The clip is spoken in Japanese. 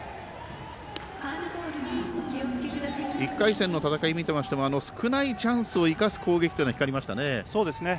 １回戦の戦いを見ていましても少ないチャンスを生かす攻撃というのが光りましたね。